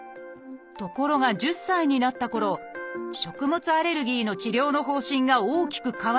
ところが１０歳になったころ食物アレルギーの治療の方針が大きく変わりました。